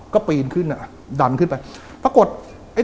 ก็ปีนขึ้นดันขึ้นไป